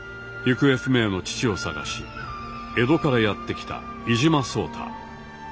行方不明の父を探し江戸からやって来た伊嶋壮多。